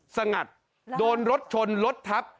สงัดโดนรถชนรถทับ